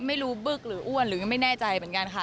ไม่รู้บึกหรืออ้วนหรือไม่แน่ใจเหมือนกันค่ะ